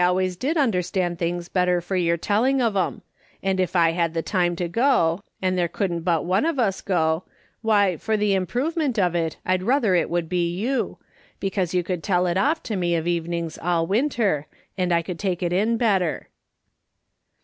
always did understand things better for your telling of 'em, and if I had tlie time to go, and there couldn't but one of us go, why, for the improvement of it, I'd ruther it would be you, 'cause you could tell it off to me of evenings all winter, and I could take it in better.'